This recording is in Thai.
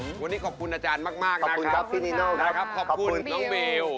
วันนี้ขอบคุณอาจารย์มากขอบคุณครับพี่นิโน่นะครับขอบคุณน้องเบล